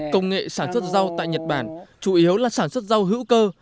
công nghệ sản xuất rau tại nhật bản chủ yếu là sản xuất rau hữu cơ